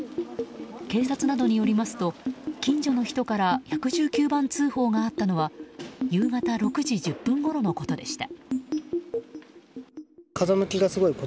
警察などによりますと近所の人から１１９番通報があったのは夕方６時１０分ごろのことでした。